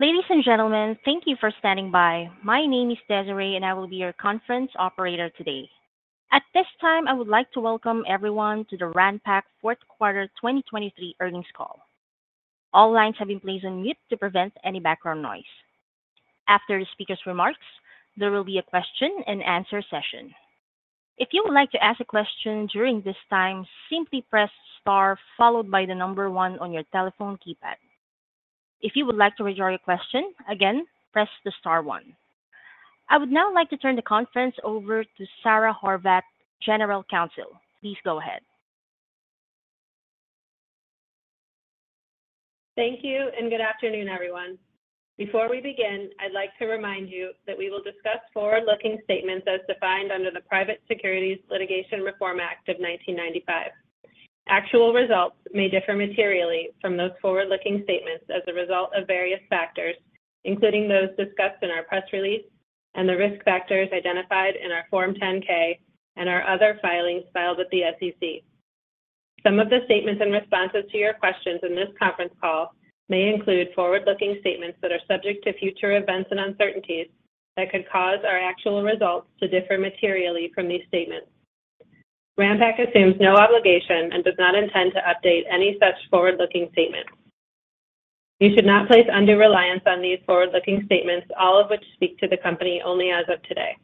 Ladies and gentlemen, thank you for standing by. My name is Desiree, and I will be your conference operator today. At this time, I would like to welcome everyone to the Ranpak Fourth Quarter 2023 earnings call. All lines have been placed on mute to prevent any background noise. After the speaker's remarks, there will be a question-and-answer session. If you would like to ask a question during this time, simply press star followed by the number one on your telephone keypad. If you would like to rejoin your question, again, press the star one. I would now like to turn the conference over to Sara Horvath, General Counsel. Please go ahead. Thank you, and good afternoon, everyone. Before we begin, I'd like to remind you that we will discuss forward-looking statements as defined under the Private Securities Litigation Reform Act of 1995. Actual results may differ materially from those forward-looking statements as a result of various factors, including those discussed in our press release and the risk factors identified in our Form 10-K and our other filings filed at the SEC. Some of the statements and responses to your questions in this conference call may include forward-looking statements that are subject to future events and uncertainties that could cause our actual results to differ materially from these statements. Ranpak assumes no obligation and does not intend to update any such forward-looking statements. You should not place under-reliance on these forward-looking statements, all of which speak to the company only as of today.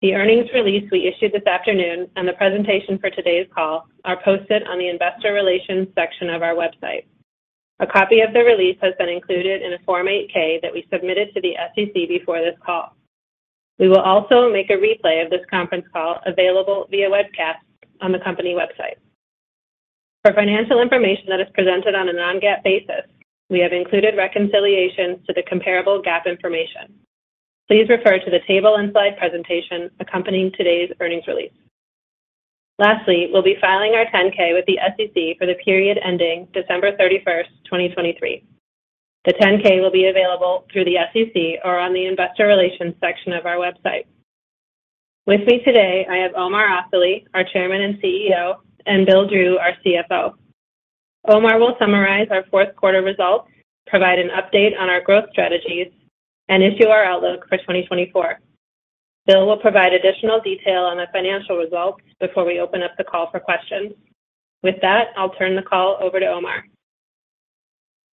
The earnings release we issued this afternoon and the presentation for today's call are posted on the Investor Relations section of our website. A copy of the release has been included in a Form 8-K that we submitted to the SEC before this call. We will also make a replay of this conference call available via webcast on the company website. For financial information that is presented on a non-GAAP basis, we have included reconciliations to the comparable GAAP information. Please refer to the table and slide presentation accompanying today's earnings release. Lastly, we'll be filing our Form 10-K with the SEC for the period ending December 31st, 2023. The Form 10-K will be available through the SEC or on the Investor Relations section of our website. With me today, I have Omar Asali, our Chairman and CEO, and Bill Drew, our CFO. Omar will summarize our fourth quarter results, provide an update on our growth strategies, and issue our outlook for 2024. Bill will provide additional detail on the financial results before we open up the call for questions. With that, I'll turn the call over to Omar.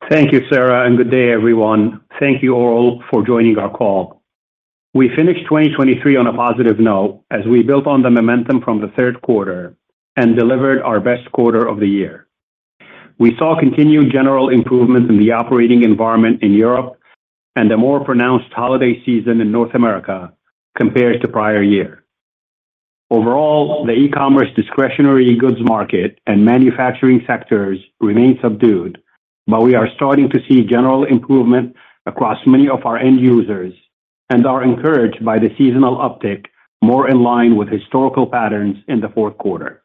Thank you, Sara, and good day, everyone. Thank you all for joining our call. We finished 2023 on a positive note as we built on the momentum from the third quarter and delivered our best quarter of the year. We saw continued general improvements in the operating environment in Europe and a more pronounced holiday season in North America compared to prior year. Overall, the e-commerce discretionary goods market and manufacturing sectors remain subdued, but we are starting to see general improvement across many of our end users and are encouraged by the seasonal uptick more in line with historical patterns in the fourth quarter.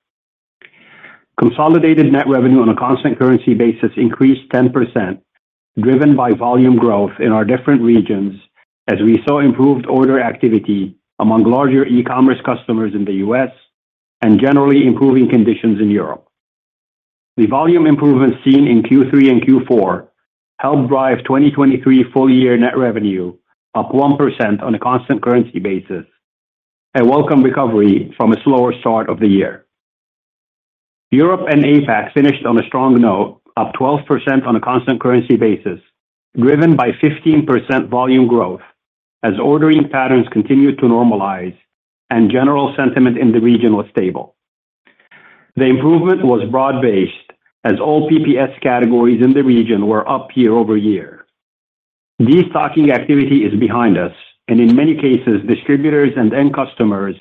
Consolidated net revenue on a constant currency basis increased 10%, driven by volume growth in our different regions as we saw improved order activity among larger e-commerce customers in the U.S. and generally improving conditions in Europe. The volume improvements seen in Q3 and Q4 helped drive 2023 full-year net revenue up 1% on a constant currency basis, a welcome recovery from a slower start of the year. Europe and APAC finished on a strong note, up 12% on a constant currency basis, driven by 15% volume growth as ordering patterns continued to normalize and general sentiment in the region was stable. The improvement was broad-based as all PPS categories in the region were up year-over-year. De-stocking activity is behind us, and in many cases, distributors and end customers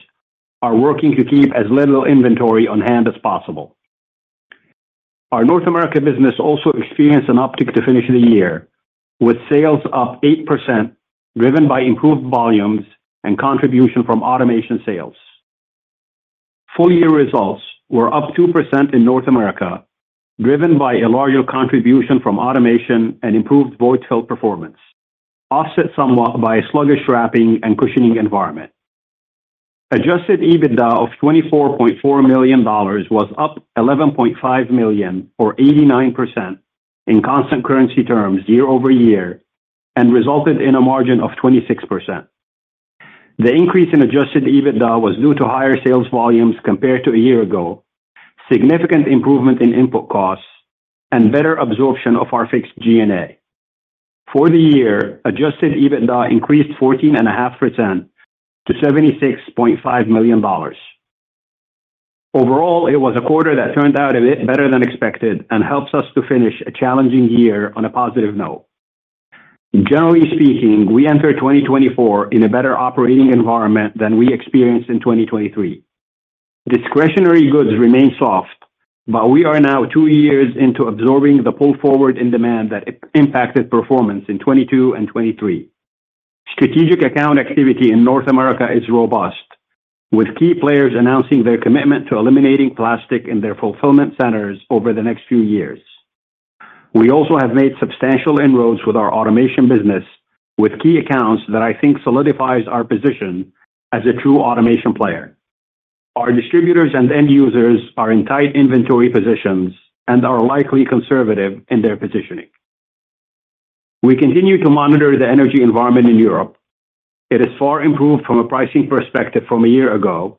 are working to keep as little inventory on hand as possible. Our North America business also experienced an uptick to finish the year, with sales up 8% driven by improved volumes and contribution from automation sales. Full-year results were up 2% in North America, driven by a larger contribution from automation and improved void-fill performance, offset somewhat by a sluggish wrapping and cushioning environment. Adjusted EBITDA of $24.4 million was up $11.5 million, or 89%, in constant currency terms year-over-year and resulted in a margin of 26%. The increase in adjusted EBITDA was due to higher sales volumes compared to a year ago, significant improvement in input costs, and better absorption of our fixed G&A. For the year, adjusted EBITDA increased 14.5% to $76.5 million. Overall, it was a quarter that turned out a bit better than expected and helps us to finish a challenging year on a positive note. Generally speaking, we enter 2024 in a better operating environment than we experienced in 2023. Discretionary goods remain soft, but we are now two years into absorbing the pull forward in demand that impacted performance in 2022 and 2023. Strategic account activity in North America is robust, with key players announcing their commitment to eliminating plastic in their fulfillment centers over the next few years. We also have made substantial inroads with our automation business, with key accounts that I think solidifies our position as a true automation player. Our distributors and end users are in tight inventory positions and are likely conservative in their positioning. We continue to monitor the energy environment in Europe. It is far improved from a pricing perspective from a year ago,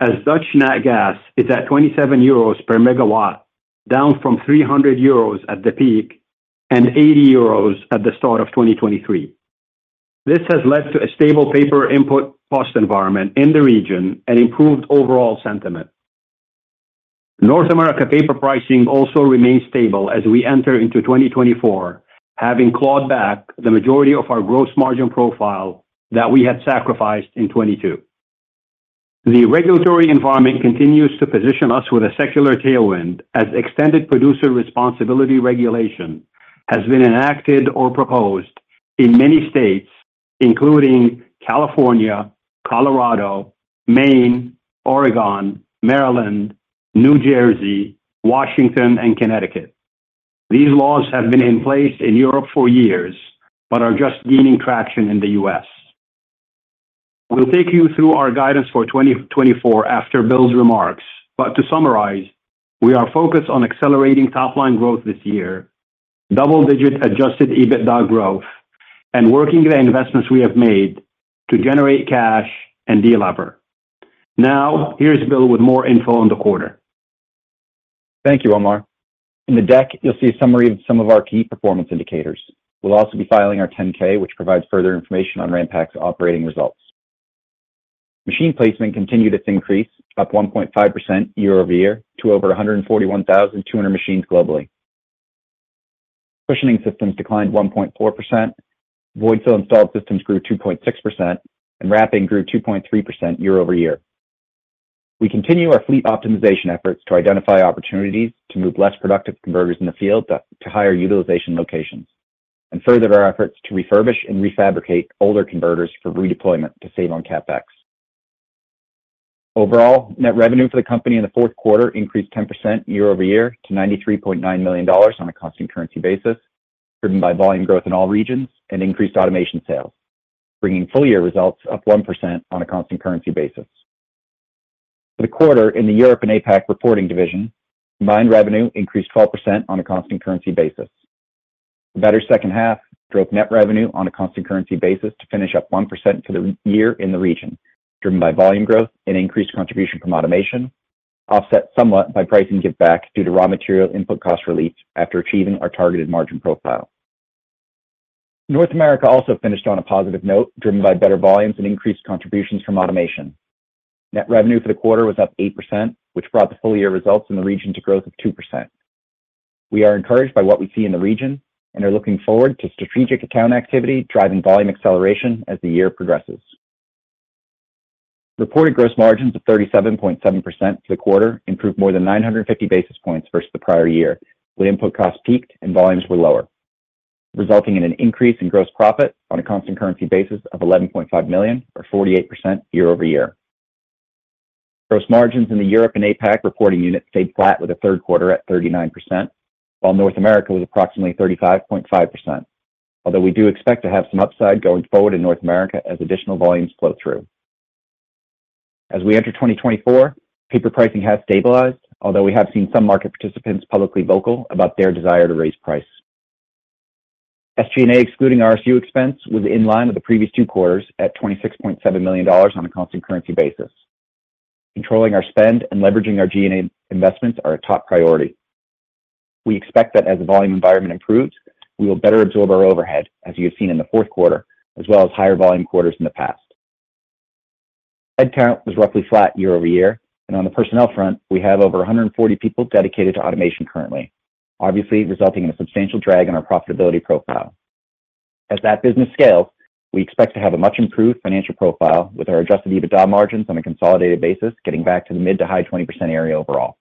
as Dutch nat gas is at 27 euros per megawatt, down from 300 euros at the peak and 80 euros at the start of 2023. This has led to a stable paper input cost environment in the region and improved overall sentiment. North America paper pricing also remains stable as we enter into 2024, having clawed back the majority of our gross margin profile that we had sacrificed in 2022. The regulatory environment continues to position us with a secular tailwind as Extended Producer Responsibility regulation has been enacted or proposed in many states, including California, Colorado, Maine, Oregon, Maryland, New Jersey, Washington, and Connecticut. These laws have been in place in Europe for years but are just gaining traction in the U.S. We'll take you through our guidance for 2024 after Bill's remarks, but to summarize, we are focused on accelerating top-line growth this year, double-digit Adjusted EBITDA growth, and working the investments we have made to generate cash and delever. Now, here's Bill with more info on the quarter. Thank you, Omar. In the deck, you'll see a summary of some of our key performance indicators. We'll also be filing our 10-K, which provides further information on Ranpak's operating results. Machine placement continued its increase, up 1.5% year-over-year to over 141,200 machines globally. Cushioning systems declined 1.4%, void-fill installed systems grew 2.6%, and wrapping grew 2.3% year-over-year. We continue our fleet optimization efforts to identify opportunities to move less productive converters in the field to higher utilization locations, and further our efforts to refurbish and refabricate older converters for redeployment to save on CapEx. Overall, net revenue for the company in the fourth quarter increased 10% year-over-year to $93.9 million on a constant currency basis, driven by volume growth in all regions and increased automation sales, bringing full-year results up 1% on a constant currency basis. For the quarter, in the Europe and APAC reporting division, combined revenue increased 12% on a constant currency basis. The better second half drove net revenue on a constant currency basis to finish up 1% for the year in the region, driven by volume growth and increased contribution from automation, offset somewhat by pricing give-back due to raw material input cost relief after achieving our targeted margin profile. North America also finished on a positive note, driven by better volumes and increased contributions from automation. Net revenue for the quarter was up 8%, which brought the full-year results in the region to growth of 2%. We are encouraged by what we see in the region and are looking forward to strategic account activity driving volume acceleration as the year progresses. Reported gross margins of 37.7% for the quarter improved more than 950 basis points versus the prior year, with input costs peaked and volumes were lower, resulting in an increase in gross profit on a constant currency basis of $11.5 million, or 48% year-over-year. Gross margins in the Europe and APAC reporting unit stayed flat with a third quarter at 39%, while North America was approximately 35.5%, although we do expect to have some upside going forward in North America as additional volumes flow through. As we enter 2024, paper pricing has stabilized, although we have seen some market participants publicly vocal about their desire to raise price. SG&A, excluding RSU expense, was in line with the previous two quarters at $26.7 million on a constant currency basis. Controlling our spend and leveraging our G&A investments are a top priority. We expect that as the volume environment improves, we will better absorb our overhead, as you have seen in the fourth quarter, as well as higher volume quarters in the past. Headcount was roughly flat year-over-year, and on the personnel front, we have over 140 people dedicated to automation currently, obviously resulting in a substantial drag on our profitability profile. As that business scales, we expect to have a much improved financial profile with our Adjusted EBITDA margins on a consolidated basis getting back to the mid- to high-20% area overall.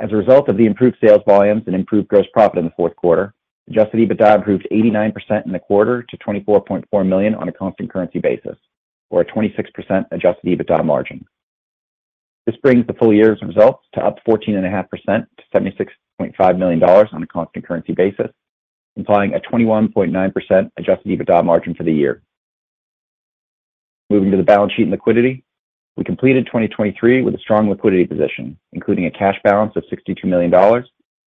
As a result of the improved sales volumes and improved gross profit in the fourth quarter, Adjusted EBITDA improved 89% in the quarter to $24.4 million on a constant currency basis, or a 26% Adjusted EBITDA margin. This brings the full-year results to up 14.5% to $76.5 million on a constant currency basis, implying a 21.9% adjusted EBITDA margin for the year. Moving to the balance sheet and liquidity, we completed 2023 with a strong liquidity position, including a cash balance of $62 million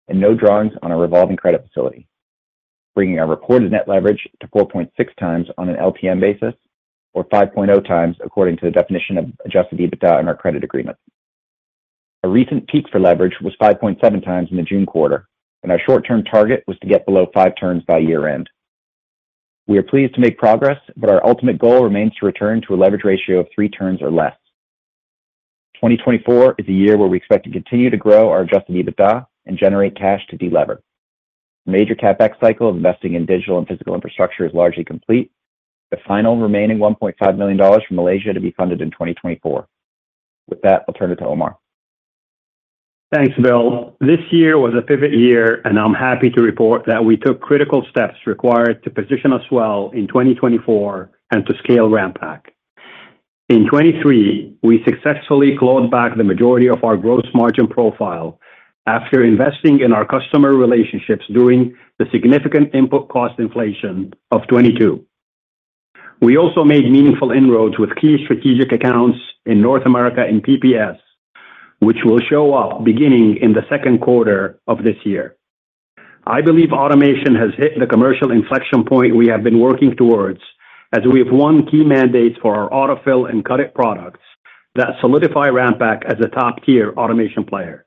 and no drawings on a revolving credit facility, bringing our reported net leverage to 4.6x on an LTM basis, or 5.0x according to the definition of adjusted EBITDA in our credit agreement. A recent peak for leverage was 5.7x in the June quarter, and our short-term target was to get below five turns by year-end. We are pleased to make progress, but our ultimate goal remains to return to a leverage ratio of three turns or less. 2024 is a year where we expect to continue to grow our adjusted EBITDA and generate cash to de-lever. The major CapEx cycle of investing in digital and physical infrastructure is largely complete, with the final remaining $1.5 million from Malaysia to be funded in 2024. With that, I'll turn it to Omar. Thanks, Bill. This year was a pivot year, and I'm happy to report that we took critical steps required to position us well in 2024 and to scale Ranpak. In 2023, we successfully clawed back the majority of our gross margin profile after investing in our customer relationships during the significant input cost inflation of 2022. We also made meaningful inroads with key strategic accounts in North America in PPS, which will show up beginning in the second quarter of this year. I believe automation has hit the commercial inflection point we have been working towards as we have won key mandates for our AutoFill and Cut'it! products that solidify Ranpak as a top-tier automation player.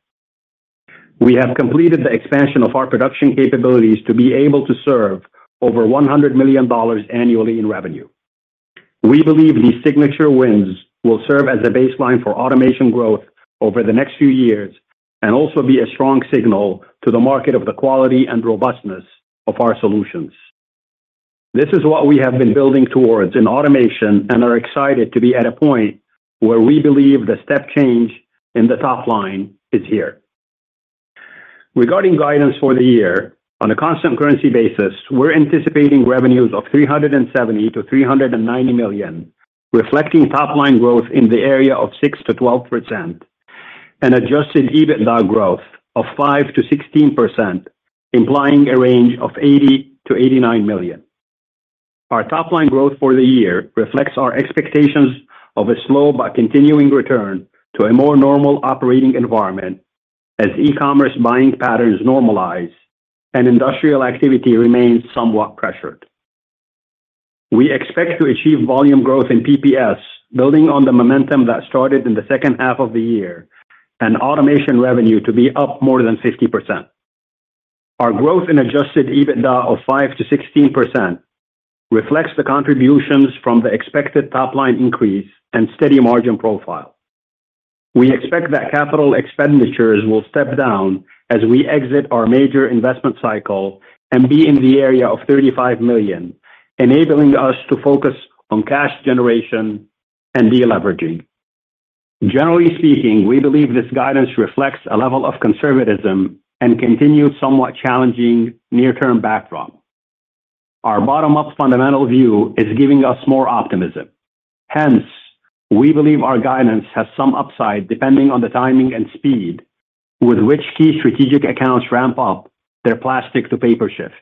We have completed the expansion of our production capabilities to be able to serve over $100 million annually in revenue. We believe these signature wins will serve as a baseline for automation growth over the next few years and also be a strong signal to the market of the quality and robustness of our solutions. This is what we have been building towards in automation and are excited to be at a point where we believe the step change in the top line is here. Regarding guidance for the year, on a constant currency basis, we're anticipating revenues of $370-$390 million, reflecting top-line growth in the area of 6%-12%, and adjusted EBITDA growth of 5%-16%, implying a range of $80-$89 million. Our top-line growth for the year reflects our expectations of a slow but continuing return to a more normal operating environment as e-commerce buying patterns normalize and industrial activity remains somewhat pressured. We expect to achieve volume growth in PPS, building on the momentum that started in the second half of the year, and automation revenue to be up more than 50%. Our growth in Adjusted EBITDA of 5%-16% reflects the contributions from the expected top-line increase and steady margin profile. We expect that capital expenditures will step down as we exit our major investment cycle and be in the area of $35 million, enabling us to focus on cash generation and de-leveraging. Generally speaking, we believe this guidance reflects a level of conservatism and continued somewhat challenging near-term backdrop. Our bottom-up fundamental view is giving us more optimism. Hence, we believe our guidance has some upside depending on the timing and speed with which key strategic accounts ramp up their plastic-to-paper shift.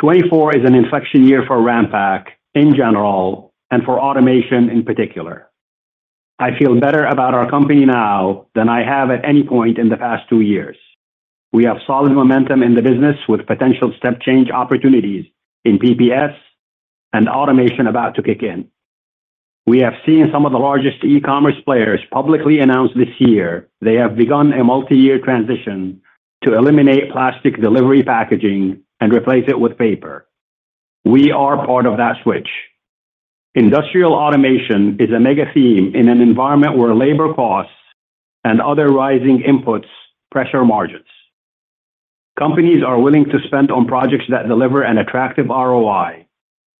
2024 is an inflection year for Ranpak in general and for automation in particular. I feel better about our company now than I have at any point in the past two years. We have solid momentum in the business with potential step change opportunities in PPS and automation about to kick in. We have seen some of the largest e-commerce players publicly announce this year they have begun a multi-year transition to eliminate plastic delivery packaging and replace it with paper. We are part of that switch. Industrial automation is a mega-theme in an environment where labor costs and other rising inputs pressure margins. Companies are willing to spend on projects that deliver an attractive ROI,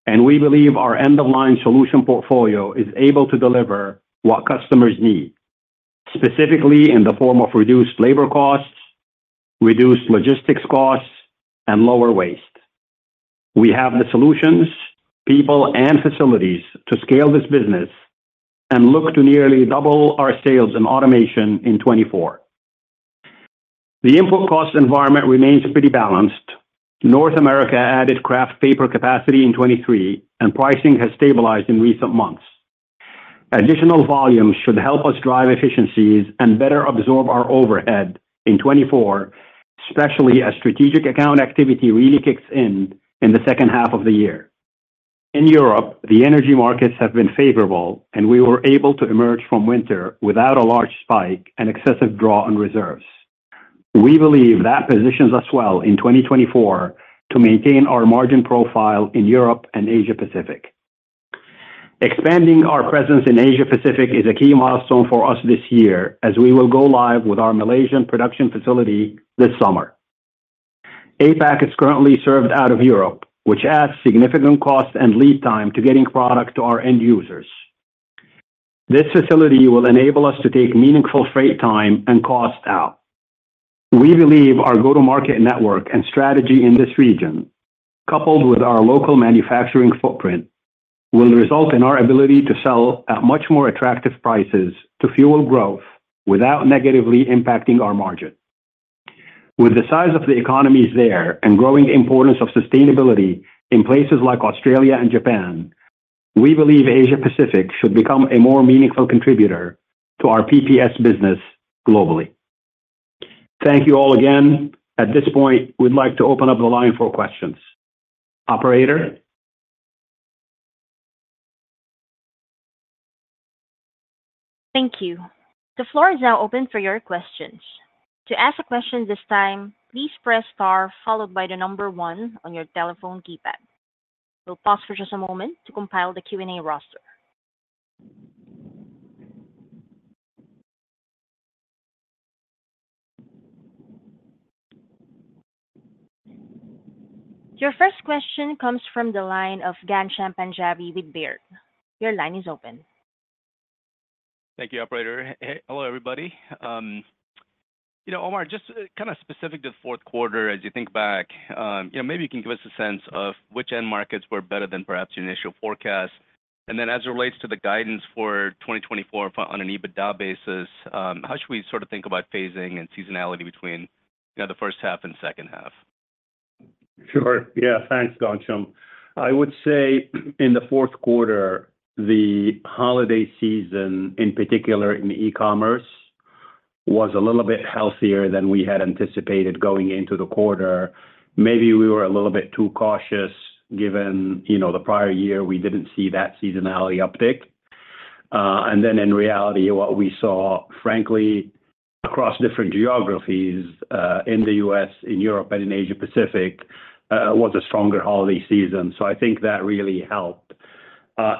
and we believe our end-of-line solution portfolio is able to deliver what customers need, specifically in the form of reduced labor costs, reduced logistics costs, and lower waste. We have the solutions, people, and facilities to scale this business and look to nearly double our sales in automation in 2024. The input cost environment remains pretty balanced. North America added kraft paper capacity in 2023, and pricing has stabilized in recent months. Additional volumes should help us drive efficiencies and better absorb our overhead in 2024, especially as strategic account activity really kicks in in the second half of the year. In Europe, the energy markets have been favorable, and we were able to emerge from winter without a large spike and excessive draw on reserves. We believe that positions us well in 2024 to maintain our margin profile in Europe and Asia-Pacific. Expanding our presence in Asia-Pacific is a key milestone for us this year as we will go live with our Malaysian production facility this summer. APAC is currently served out of Europe, which adds significant cost and lead time to getting product to our end users. This facility will enable us to take meaningful freight time and cost out. We believe our go-to-market network and strategy in this region, coupled with our local manufacturing footprint, will result in our ability to sell at much more attractive prices to fuel growth without negatively impacting our margin. With the size of the economies there and growing importance of sustainability in places like Australia and Japan, we believe Asia-Pacific should become a more meaningful contributor to our PPS business globally. Thank you all again. At this point, we'd like to open up the line for questions. Operator? Thank you. The floor is now open for your questions. To ask a question this time, please press * followed by the number 1 on your telephone keypad. We'll pause for just a moment to compile the Q&A roster. Your first question comes from the line of Ghansham Panjabi with Baird. Your line is open. Thank you, Operator. Hello, everybody. Omar, just kind of specific to the fourth quarter, as you think back, maybe you can give us a sense of which end markets were better than perhaps your initial forecast. And then, as it relates to the guidance for 2024 on an EBITDA basis, how should we sort of think about phasing and seasonality between the first half and second half? Sure. Yeah, thanks, Ghansham. I would say in the fourth quarter, the holiday season, in particular in e-commerce, was a little bit healthier than we had anticipated going into the quarter. Maybe we were a little bit too cautious given the prior year. We didn't see that seasonality uptick. And then, in reality, what we saw, frankly, across different geographies, in the U.S., in Europe, and in Asia-Pacific, was a stronger holiday season. So I think that really helped.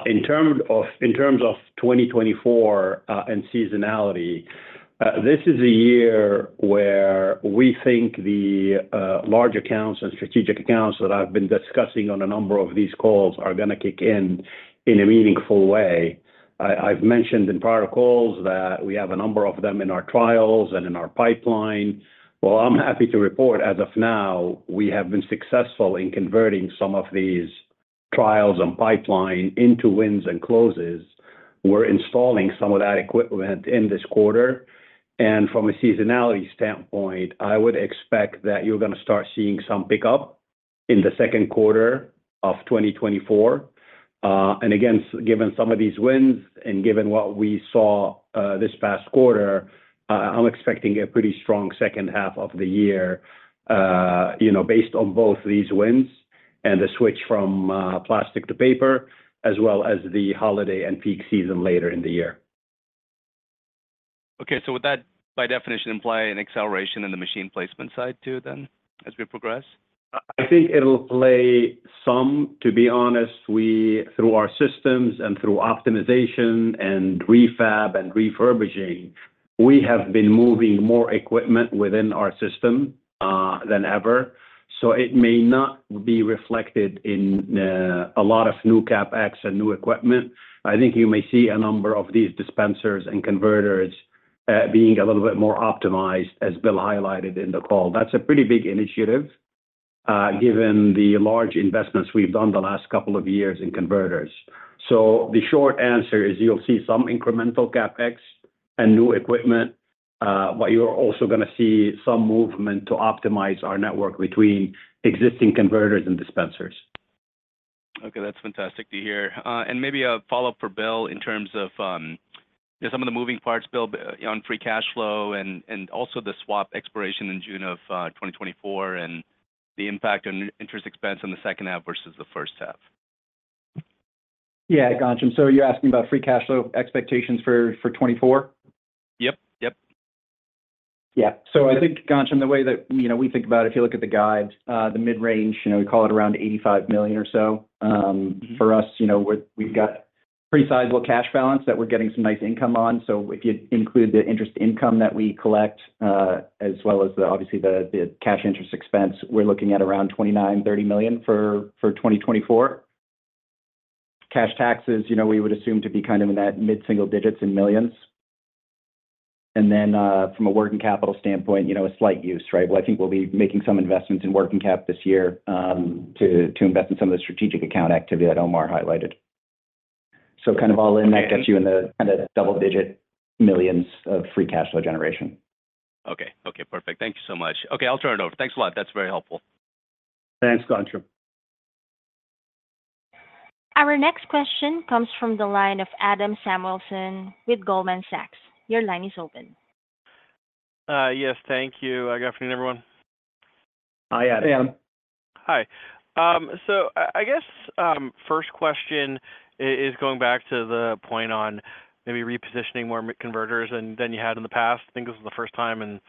In terms of 2024 and seasonality, this is a year where we think the large accounts and strategic accounts that I've been discussing on a number of these calls are going to kick in in a meaningful way. I've mentioned in prior calls that we have a number of them in our trials and in our pipeline. Well, I'm happy to report, as of now, we have been successful in converting some of these trials and pipeline into wins and closes. We're installing some of that equipment in this quarter. From a seasonality standpoint, I would expect that you're going to start seeing some pickup in the second quarter of 2024. Again, given some of these wins and given what we saw this past quarter, I'm expecting a pretty strong second half of the year based on both these wins and the switch from plastic to paper, as well as the holiday and peak season later in the year. Okay. So would that, by definition, imply an acceleration in the machine placement side too, then, as we progress? I think it'll play some. To be honest, through our systems and through optimization and refab and refurbishing, we have been moving more equipment within our system than ever. So it may not be reflected in a lot of new CapEx and new equipment. I think you may see a number of these dispensers and converters being a little bit more optimized, as Bill highlighted in the call. That's a pretty big initiative given the large investments we've done the last couple of years in converters. So the short answer is you'll see some incremental CapEx and new equipment, but you're also going to see some movement to optimize our network between existing converters and dispensers. Okay. That's fantastic to hear. Maybe a follow-up for Bill in terms of some of the moving parts, Bill, on free cash flow and also the swap expiration in June of 2024 and the impact on interest expense in the second half versus the first half. Yeah, Ghansham. So you're asking about free cash flow expectations for 2024? Yep. Yep. Yeah. So I think, Ghansham, the way that we think about it, if you look at the guide, the mid-range, we call it around $85 million or so. For us, we've got pretty sizable cash balance that we're getting some nice income on. So if you include the interest income that we collect as well as, obviously, the cash interest expense, we're looking at around $29 million, $30 million for 2024. Cash taxes, we would assume to be kind of in that mid-single digits in millions. And then, from a working capital standpoint, a slight use, right? Well, I think we'll be making some investments in working cap this year to invest in some of the strategic account activity that Omar highlighted. So kind of all in, that gets you in the kind of double-digit millions of free cash flow generation. Okay. Okay. Perfect. Thank you so much. Okay. I'll turn it over. Thanks a lot. That's very helpful. Thanks, Ghansham. Our next question comes from the line of Adam Samuelson with Goldman Sachs. Your line is open. Yes. Thank you. Good afternoon, everyone. Hi, Adam. Hey, Adam. Hi. So I guess first question is going back to the point on maybe repositioning more converters than you had in the past. I think this is the first time and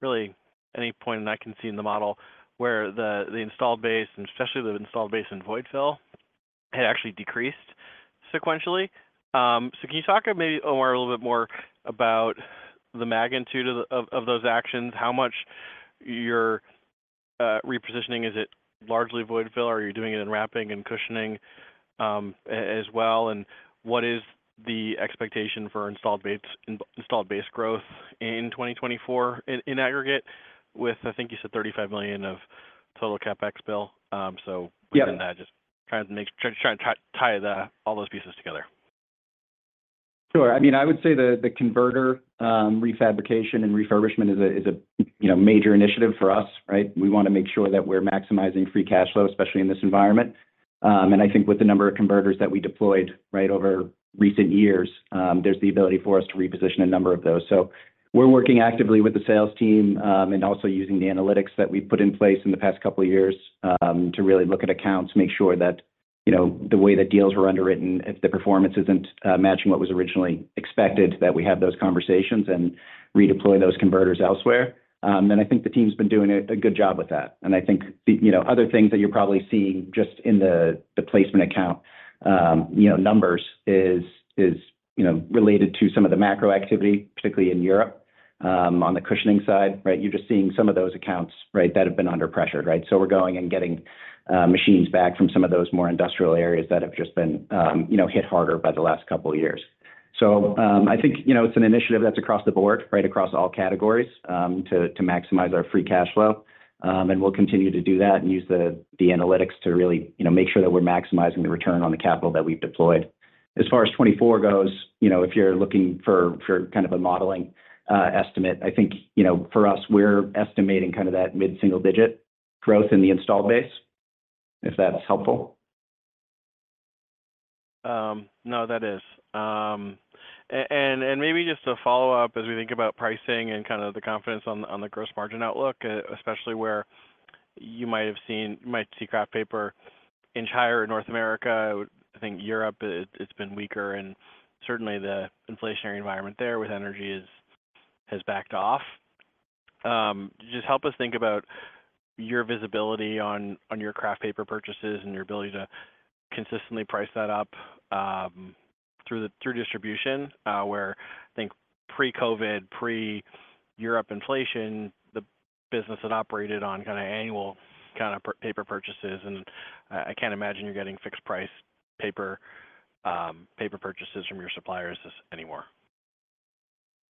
really any point that I can see in the model where the installed base, and especially the installed base in void fill, had actually decreased sequentially. So can you talk maybe, Omar, a little bit more about the magnitude of those actions? How much of your repositioning is it largely void fill, or are you doing it in wrapping and cushioning as well? And what is the expectation for installed base growth in 2024 in aggregate with, I think you said, $35 million of total CapEx, Bill? So within that, just trying to tie all those pieces together. Sure. I mean, I would say the converter refabrication and refurbishment is a major initiative for us, right? We want to make sure that we're maximizing free cash flow, especially in this environment. And I think with the number of converters that we deployed right over recent years, there's the ability for us to reposition a number of those. So we're working actively with the sales team and also using the analytics that we've put in place in the past couple of years to really look at accounts, make sure that the way that deals were underwritten, if the performance isn't matching what was originally expected, that we have those conversations and redeploy those converters elsewhere. And I think the team's been doing a good job with that. And I think other things that you're probably seeing just in the placement account numbers is related to some of the macro activity, particularly in Europe on the cushioning side, right? You're just seeing some of those accounts, right, that have been under pressure, right? So we're going and getting machines back from some of those more industrial areas that have just been hit harder by the last couple of years. So I think it's an initiative that's across the board, right, across all categories to maximize our free cash flow. And we'll continue to do that and use the analytics to really make sure that we're maximizing the return on the capital that we've deployed. As far as 2024 goes, if you're looking for kind of a modeling estimate, I think for us, we're estimating kind of that mid-single-digit growth in the installed base, if that's helpful. No, that is. Maybe just a follow-up as we think about pricing and kind of the confidence on the gross margin outlook, especially where you might see kraft paper inch higher in North America. I think Europe, it's been weaker. And certainly, the inflationary environment there with energy has backed off. Just help us think about your visibility on your kraft paper purchases and your ability to consistently price that up through distribution where, I think, pre-COVID, pre-Europe inflation, the business had operated on kind of annual kind of paper purchases. And I can't imagine you're getting fixed-price paper purchases from your suppliers anymore.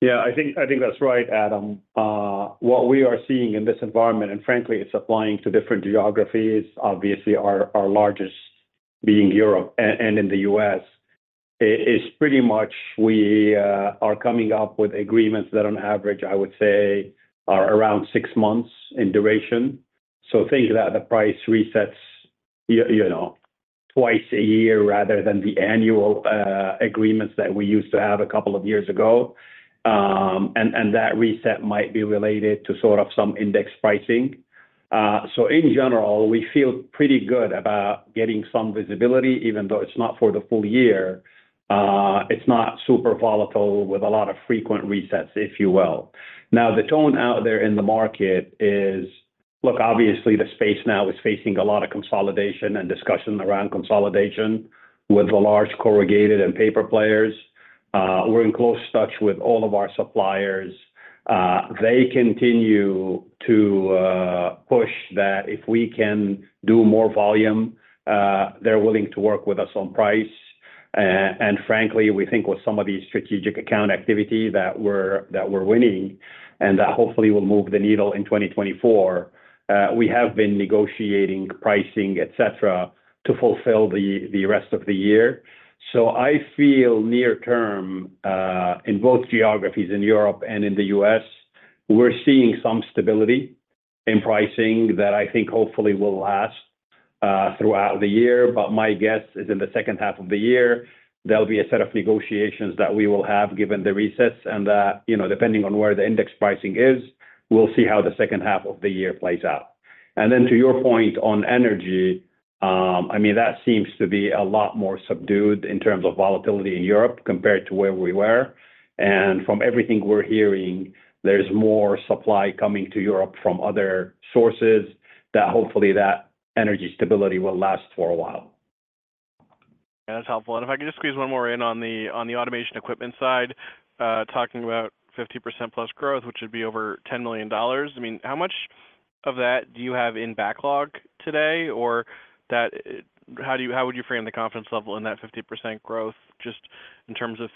Yeah, I think that's right, Adam. What we are seeing in this environment, and frankly, it's applying to different geographies, obviously, our largest being Europe and in the U.S., is pretty much we are coming up with agreements that, on average, I would say, are around six months in duration. So think that the price resets twice a year rather than the annual agreements that we used to have a couple of years ago. And that reset might be related to sort of some index pricing. So in general, we feel pretty good about getting some visibility, even though it's not for the full year. It's not super volatile with a lot of frequent resets, if you will. Now, the tone out there in the market is, look, obviously, the space now is facing a lot of consolidation and discussion around consolidation with the large corrugated and paper players. We're in close touch with all of our suppliers. They continue to push that if we can do more volume, they're willing to work with us on price. And frankly, we think with some of these strategic account activity that we're winning and that hopefully will move the needle in 2024, we have been negotiating pricing, etc., to fulfill the rest of the year. So I feel near-term, in both geographies, in Europe and in the U.S., we're seeing some stability in pricing that I think hopefully will last throughout the year. But my guess is in the second half of the year, there'll be a set of negotiations that we will have given the resets and that, depending on where the index pricing is, we'll see how the second half of the year plays out. Then to your point on energy, I mean, that seems to be a lot more subdued in terms of volatility in Europe compared to where we were. From everything we're hearing, there's more supply coming to Europe from other sources that hopefully that energy stability will last for a while. Yeah, that's helpful. And if I could just squeeze one more in on the automation equipment side, talking about 50%+ growth, which would be over $10 million, I mean, how much of that do you have in backlog today? Or how would you frame the confidence level in that 50% growth just in terms of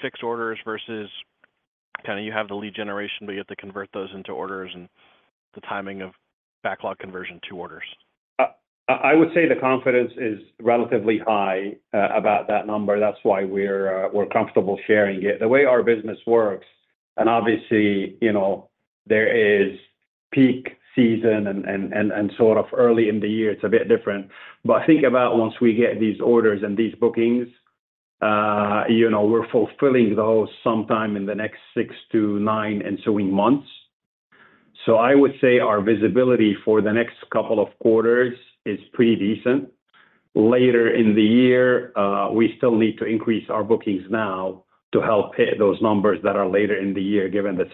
fixed orders versus kind of you have the lead generation, but you have to convert those into orders and the timing of backlog conversion to orders? I would say the confidence is relatively high about that number. That's why we're comfortable sharing it. The way our business works, and obviously, there is peak season and sort of early in the year, it's a bit different. But I think about once we get these orders and these bookings, we're fulfilling those sometime in the next 6-9 and so on months. So I would say our visibility for the next couple of quarters is pretty decent. Later in the year, we still need to increase our bookings now to help hit those numbers that are later in the year given the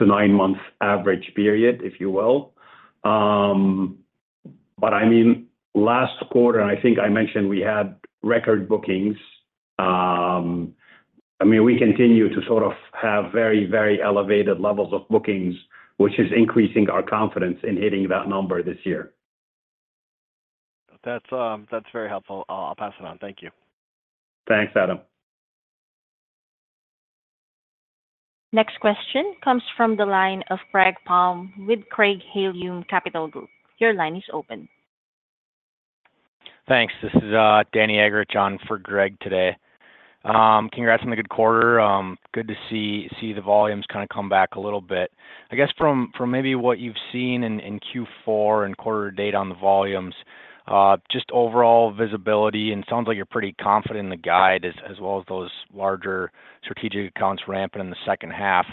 6-9-month average period, if you will. But I mean, last quarter, I think I mentioned we had record bookings. I mean, we continue to sort of have very, very elevated levels of bookings, which is increasing our confidence in hitting that number this year. That's very helpful. I'll pass it on. Thank you. Thanks, Adam. Next question comes from the line of Greg Palm with Craig-Hallum Capital Group. Your line is open. Thanks. This is Danny Eggerichs on for Greg today. Congrats on the good quarter. Good to see the volumes kind of come back a little bit. I guess from maybe what you've seen in Q4 and quarter date on the volumes, just overall visibility, and it sounds like you're pretty confident in the guide as well as those larger strategic accounts ramping in the second half.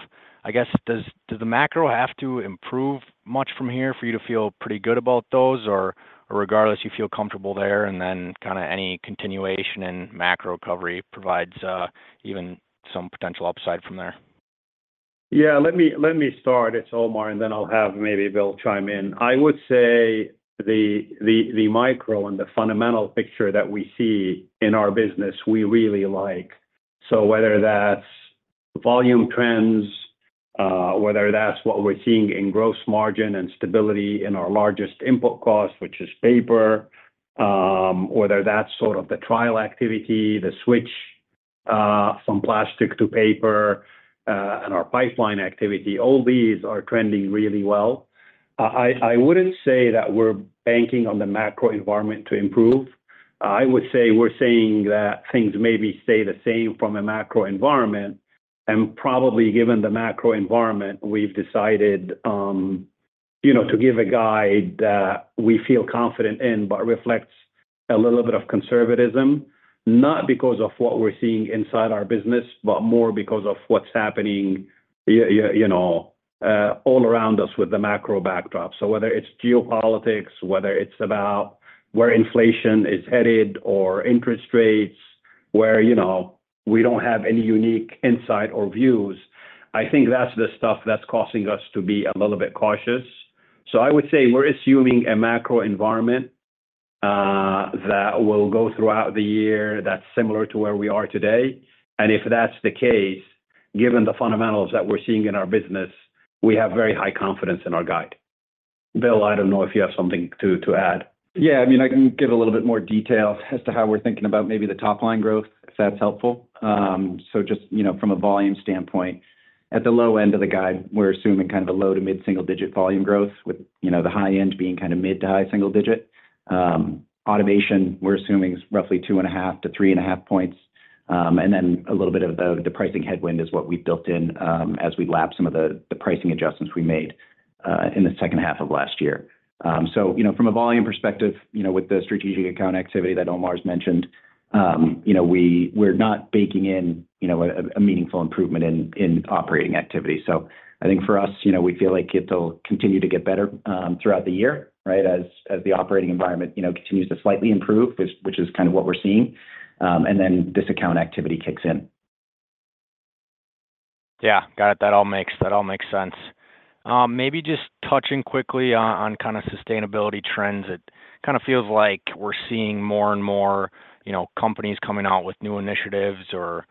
I guess, does the macro have to improve much from here for you to feel pretty good about those, or regardless, you feel comfortable there and then kind of any continuation in macro recovery provides even some potential upside from there? Yeah. Let me start. It's Omar, and then I'll have maybe Bill chime in. I would say the micro and the fundamental picture that we see in our business, we really like. So whether that's volume trends, whether that's what we're seeing in gross margin and stability in our largest input cost, which is paper, whether that's sort of the trial activity, the switch from plastic to paper, and our pipeline activity, all these are trending really well. I wouldn't say that we're banking on the macro environment to improve. I would say we're saying that things maybe stay the same from a macro environment. And probably given the macro environment, we've decided to give a guide that we feel confident in but reflects a little bit of conservatism, not because of what we're seeing inside our business, but more because of what's happening all around us with the macro backdrop. So whether it's geopolitics, whether it's about where inflation is headed or interest rates, where we don't have any unique insight or views, I think that's the stuff that's causing us to be a little bit cautious. So I would say we're assuming a macro environment that will go throughout the year that's similar to where we are today. And if that's the case, given the fundamentals that we're seeing in our business, we have very high confidence in our guide. Bill, I don't know if you have something to add. Yeah. I mean, I can give a little bit more detail as to how we're thinking about maybe the top-line growth, if that's helpful. So just from a volume standpoint, at the low end of the guide, we're assuming kind of a low- to mid-single-digit volume growth with the high end being kind of mid- to high-single-digit. Automation, we're assuming is roughly 2.5-3.5 points. And then a little bit of the pricing headwind is what we've built in as we lap some of the pricing adjustments we made in the second half of last year. So from a volume perspective, with the strategic account activity that Omar's mentioned, we're not baking in a meaningful improvement in operating activity. I think for us, we feel like it'll continue to get better throughout the year, right, as the operating environment continues to slightly improve, which is kind of what we're seeing, and then this account activity kicks in. Yeah. Got it. That all makes sense. Maybe just touching quickly on kind of sustainability trends, it kind of feels like we're seeing more and more companies coming out with new initiatives or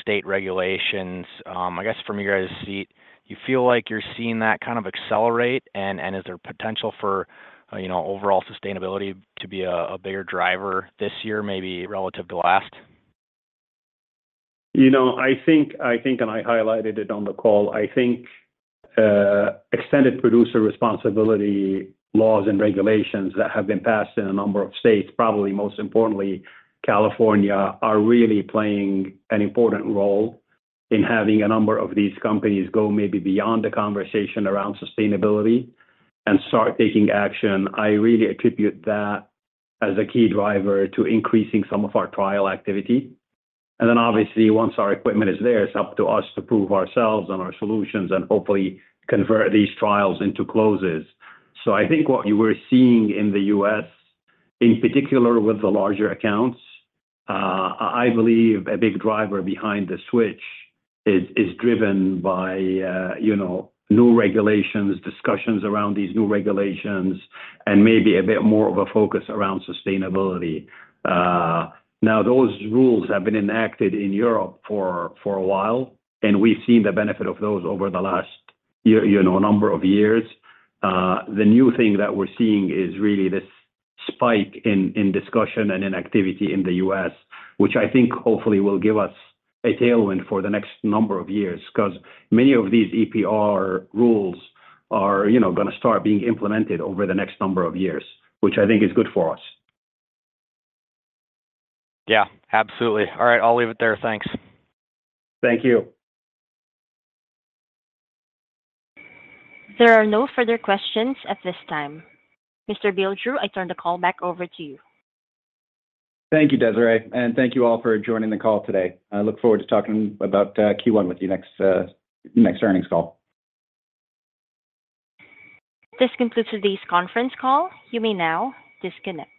state regulations. I guess from your guys' seat, you feel like you're seeing that kind of accelerate? And is there potential for overall sustainability to be a bigger driver this year, maybe relative to last? I think, and I highlighted it on the call, I think Extended Producer Responsibility laws and regulations that have been passed in a number of states, probably most importantly, California, are really playing an important role in having a number of these companies go maybe beyond the conversation around sustainability and start taking action. I really attribute that as a key driver to increasing some of our trial activity. And then obviously, once our equipment is there, it's up to us to prove ourselves and our solutions and hopefully convert these trials into closes. So I think what we're seeing in the U.S., in particular with the larger accounts, I believe a big driver behind the switch is driven by new regulations, discussions around these new regulations, and maybe a bit more of a focus around sustainability. Now, those rules have been enacted in Europe for a while, and we've seen the benefit of those over the last number of years. The new thing that we're seeing is really this spike in discussion and in activity in the U.S., which I think hopefully will give us a tailwind for the next number of years because many of these EPR rules are going to start being implemented over the next number of years, which I think is good for us. Yeah, absolutely. All right. I'll leave it there. Thanks. Thank you. There are no further questions at this time. Mr. Bill Drew, I turn the call back over to you. Thank you, Desiree. Thank you all for joining the call today. I look forward to talking about Q1 with you next earnings call. This concludes today's conference call. You may now disconnect.